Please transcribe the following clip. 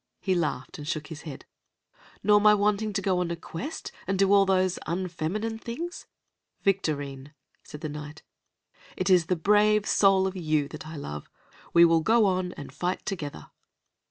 He laughed and shook his head. "Nor my wanting to go on a quest, and do all those unfeminine things?" "Victorine," said the Knight, "it is the brave soul of you that I love. We will go on and fight together."